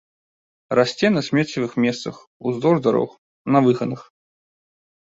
Расце на смеццевых месцах, уздоўж дарог, на выганах.